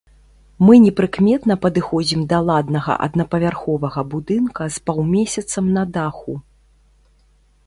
Мы непрыкметна падыходзім да ладнага аднапавярховага будынка з паўмесяцам на даху.